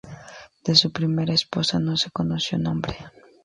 De su primera esposa no se conoció nombre.